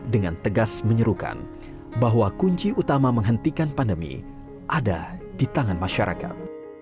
dengan tegas menyerukan bahwa kunci utama menghentikan pandemi ada di tangan masyarakat